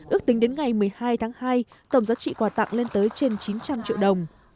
ước tính đến ngày một mươi hai tháng hai tổng giá trị quà tặng lên tới trên chín trăm linh triệu đồng